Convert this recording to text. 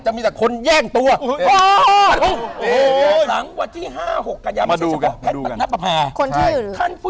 จะมีแต่คนแย่งตัว